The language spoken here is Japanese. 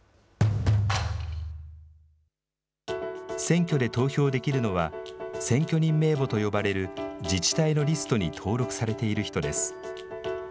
選挙で投票できるのは、選挙人名簿と呼ばれる自治体のリストに登録されている人です。